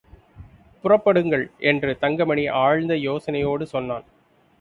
புறப்படுங்கள் என்று தங்கமணி, ஆழ்ந்த யோசனையோடு சொன்னான்.